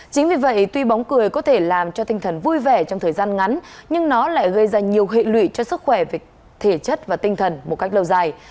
chính vì vậy tuy bóng cười có thể làm cho tinh thần vui vẻ trong thời gian ngắn nhưng nó lại gây ra nhiều hệ lụy cho sức khỏe thể chất và tinh thần một cách lâu dài